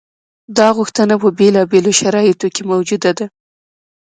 دا غوښتنه په بېلابېلو شرایطو کې موجوده ده.